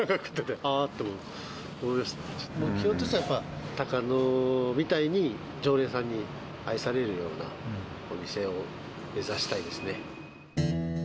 あぁと思って、目標としては、多賀野みたいに、常連さんに愛されるようなお店を目指したいです